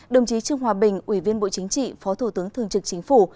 đồng chí trương hòa bình ủy viên bộ chính trị phó thủ tướng thường trực chính phủ